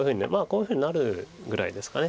こういうふうになるぐらいですか。